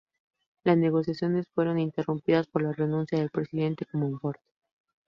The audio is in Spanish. Las negociaciones fueron interrumpidas por la renuncia del presidente Comonfort.